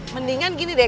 mendingan gini deh